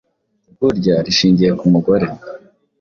burya rishingiye ku mugore.